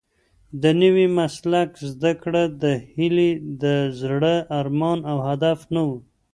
د نوي مسلک زده کړه د هیلې د زړه ارمان او هدف نه و.